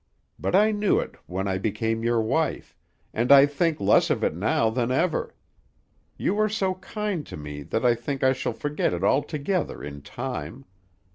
But I knew it when I became your wife, and I think less of it now than ever; you are so kind to me that I think I shall forget it altogether in time.